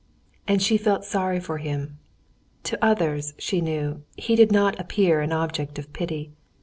And she felt sorry for him. To others, she knew, he did not appear an object of pity.